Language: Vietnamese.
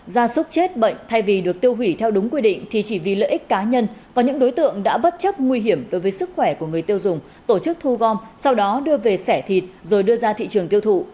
gia súc chết bệnh thay vì được tiêu hủy theo đúng quy định thì chỉ vì lợi ích cá nhân có những đối tượng đã bất chấp nguy hiểm đối với sức khỏe của người tiêu dùng tổ chức thu gom sau đó đưa về sẻ thịt rồi đưa ra thị trường tiêu thụ